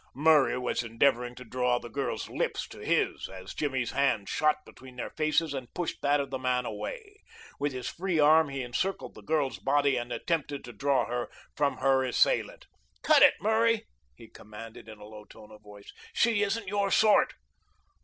Murray was endeavoring to draw the girl's lips to his as Jimmy's hand shot between their faces and pushed that of the man away. With his free arm he encircled the girl's body and attempted to draw her from her assailant. "Cut it, Murray!" he commanded in a low tone of voice. "She isn't your sort."